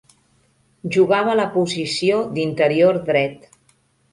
Jugava a la posició d'interior dret.